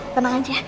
tenang aja ya